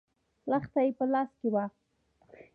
لښته يې په لاس کې وه.